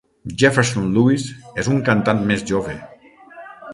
Jefferson Lewis és un cantant més jove.